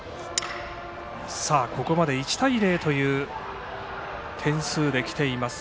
ここまで１対０という点数できています。